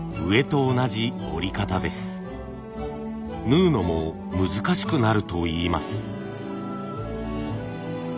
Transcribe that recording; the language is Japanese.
縫うのも難しくなるといいます。